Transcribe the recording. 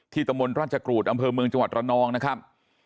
ที่ตมรรจกรุฑอำเภอเมืองจังหวัดรณองนะครับ